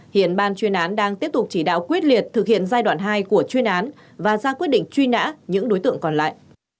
hiện ban chuyên án đang tiếp tục chỉ đạo quyết liệt thực hiện giai đoạn hai của chuyên án và ra quyết định truy nã những đối tượng còn lại